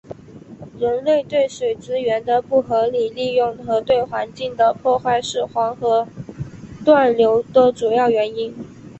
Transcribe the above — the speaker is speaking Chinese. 人类对水资源的不合理利用和对环境的破坏是黄河断流的主要原因。